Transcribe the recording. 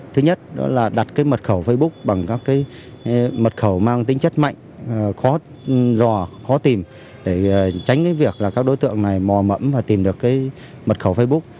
thứ nhất là đặt mật khẩu facebook bằng các mật khẩu mang tính chất mạnh khó dò khó tìm để tránh việc các đối tượng này mò mẫm và tìm được mật khẩu facebook